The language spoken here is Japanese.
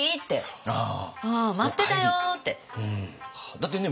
だってね